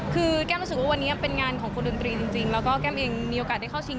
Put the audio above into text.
คือแก้มรู้สึกว่าวันนี้เป็นงานของคนดนตรีจริงแล้วก็แก้มเองมีโอกาสได้เข้าชิง